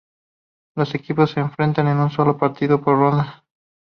Los equipos se enfrentan en un solo partido por ronda.